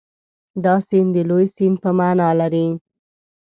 دا سیند د لوی سیند په معنا لري.